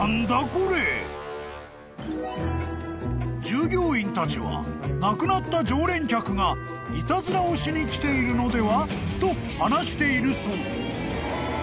［従業員たちは亡くなった常連客がいたずらをしに来ているのでは？と話しているそう］